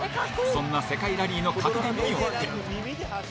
そんな世界ラリーの格言によって。